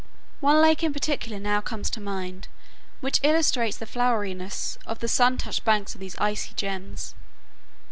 One lake in particular now comes to mind which illustrates the floweriness of the sun touched banks of these icy gems.